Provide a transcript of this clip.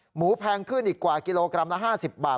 แพงขึ้นอีกกว่ากิโลกรัมละ๕๐บาท